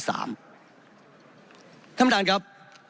ท่านบรรยาณครับ